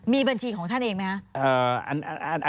มีบัญชีของท่านเองไหมคะ